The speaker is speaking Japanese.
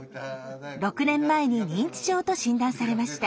６年前に認知症と診断されました。